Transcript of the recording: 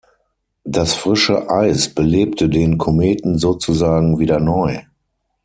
Das frische Eis belebte den Kometen sozusagen wieder neu.